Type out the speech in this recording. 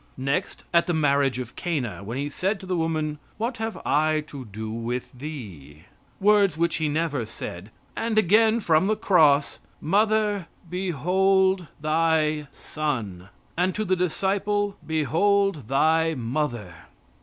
Next, at the marriage of Cana, when He said to the woman, "What have I to do with thee?" words which He never said; and again from the cross, "Mother, behold Thy Son;" and to the disciple, "Behold thy Mother!"